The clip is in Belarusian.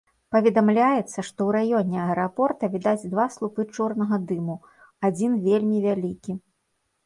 Паведамляецца, што ў раёне аэрапорта відаць два слупы чорнага дыму, адзін вельмі вялікі.